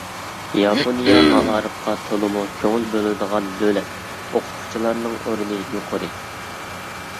ياپونىيە مائارىپقا تولىمۇ كۆڭۈل بۆلىدىغان دۆلەت، ئوقۇتقۇچىلارنىڭ ئورنى يۇقىرى.